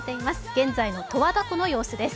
現在の十和田湖の様子です。